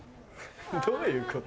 どういうこと？